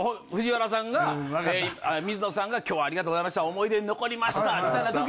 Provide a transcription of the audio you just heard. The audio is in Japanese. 水野さんが「今日はありがとうございました思い出に残りました」みたいな時